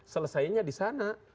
selesainya di sana